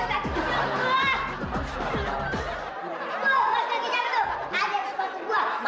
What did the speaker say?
ada di sepatu gua